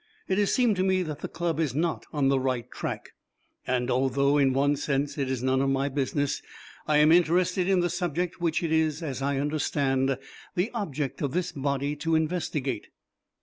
It has seemed to me that the Club is not on the right track, and although in one sense it is none of my business, I am interested in the subject which it is, as I understand, the object of this body to investigate.